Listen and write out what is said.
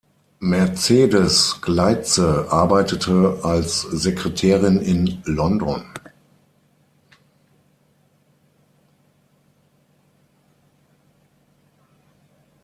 Mercedes Gleitze arbeitete als Sekretärin in London.